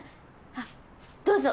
あっどうぞ。